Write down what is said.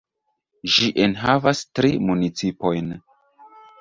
Ĝi enhavas tri municipojn.